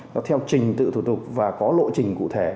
nó theo trình tự thủ tục và có lộ trình cụ thể